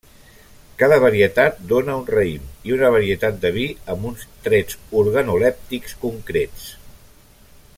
Cada varietat dóna un raïm i una varietat de vi amb uns trets organolèptics concrets.